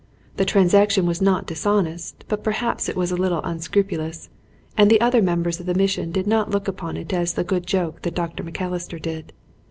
The transaction was not dishonest, but perhaps it was a little unscrupulous and the other members of the mission did not look upon it as the good joke that Dr. Macalister did.